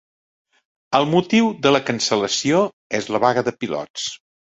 El motiu de la cancel·lació és la vaga de pilots